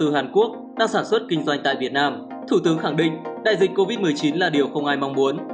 hàn quốc đang sản xuất kinh doanh tại việt nam thủ tướng khẳng định đại dịch covid một mươi chín là điều không ai mong muốn